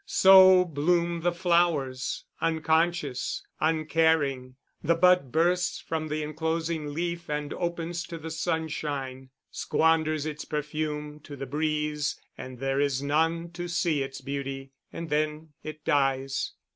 So bloom the flowers; unconscious, uncaring, the bud bursts from the enclosing leaf, and opens to the sunshine, squanders its perfume to the breeze and there is none to see its beauty and then it dies.